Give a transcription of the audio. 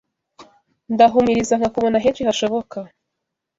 ndahumiriza nkakubona henshi hashoboka